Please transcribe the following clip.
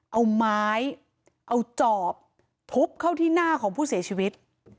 เอาไม้เอาจอบทุบเข้าที่หน้าของผู้เสียชีวิต